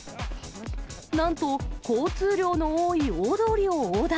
なんと、交通量の多い大通りを横断。